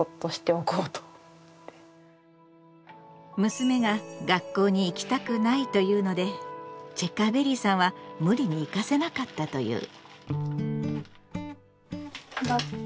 娘が「学校に行きたくない」と言うのでチェッカーベリーさんは無理に行かせなかったという。